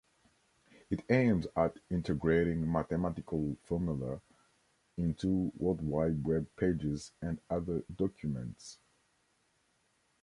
It aims at integrating mathematical formulae into World Wide Web pages and other documents.